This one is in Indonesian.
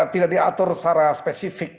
tidak diatur secara spesifik